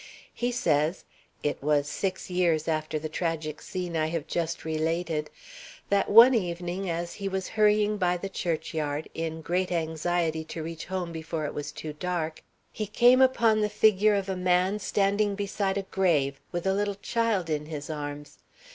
He says (it was six years after the tragic scene I have just related) that one evening as he was hurrying by the churchyard, in great anxiety to reach home before it was too dark, he came upon the figure of a man standing beside a grave, with a little child in his arms.